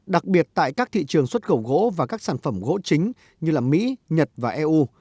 đặc biệt tại các thị trường xuất khẩu gỗ và các sản phẩm gỗ chính như mỹ nhật và eu